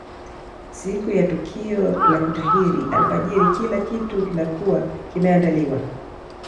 Siku ya tukio la kutahiri alfajiri kila kitu kinakuwa kimeandaliwa